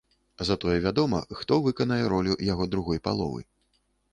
Затое вядома, хто выканае ролю яго другой паловы.